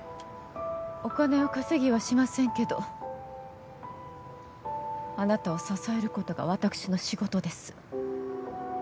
お金を稼ぎはしませんけどあなたを支えることが私の仕事です。